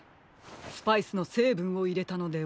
スパイスのせいぶんをいれたのでは？